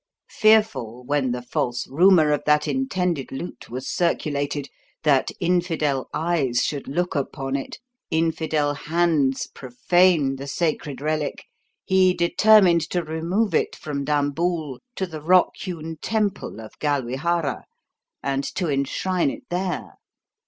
Fearful, when the false rumour of that intended loot was circulated, that infidel eyes should look upon it, infidel hands profane the sacred relic, he determined to remove it from Dambool to the rock hewn temple of Galwihara and to enshrine it there.